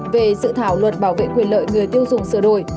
về sự thảo luật bảo vệ quyền lợi người tiêu dùng sửa đổi